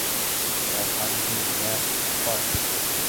Райхангөл ғәр., фарс.